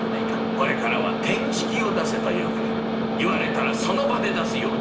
これからは『てんしきを出せ』と言うからな言われたらその場で出すように」。